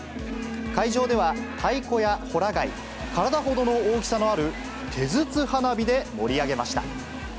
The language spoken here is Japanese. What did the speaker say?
会場では、太鼓やほら貝、体ほどの大きさのある手筒花火で盛り上げました。